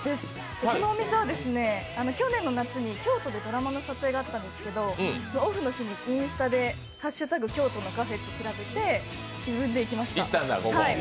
このお店は去年の夏に京都でドラマの撮影があったんですけど、オフの日にインスタで「＃京都のカフェ」って調べて自分で行きました。